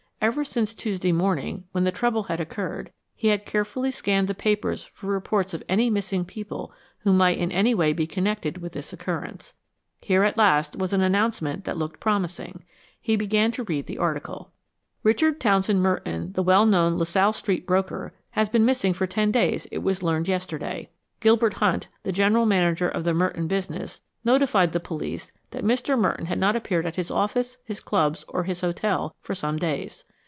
Ever since Tuesday morning, when the trouble had occurred, he had carefully scanned the papers for reports of any missing people who might in any way be connected with this occurrence. Here at last was an announcement that looked promising. He began to read the article. Richard Townsend Merton, the well known La Salle Street broker, has been missing far ten days, it was learned yesterday. Gilbert Hunt, the general manager of the Merton business, notified the police that Mr. Merton had not appeared at his office, his clubs, or his hotel for some days.